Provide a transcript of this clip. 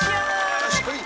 よしこい！